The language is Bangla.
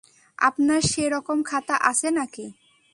আপনার সেরকম খাতা আছে নাকি?